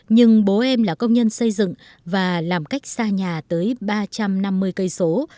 nhưng bố em là công nhân xây dựng và làm cách xa nhà tới ba trăm năm mươi cây số